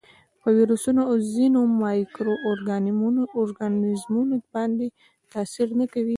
په ویروسونو او ځینو مایکرو ارګانیزمونو باندې تاثیر نه کوي.